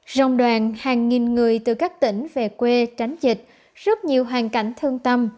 rong đoàn hàng nghìn người từ các tỉnh về quê tránh dịch rất nhiều hoàn cảnh thương tâm